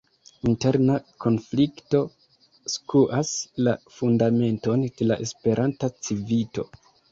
Interna konflikto skuas la fundamenton de la Esperanta Civito.